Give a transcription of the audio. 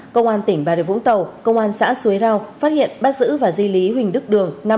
công an tỉnh bà rịa vũng tàu công an xã suối rau phát hiện bắt giữ và di lý huỳnh đức đường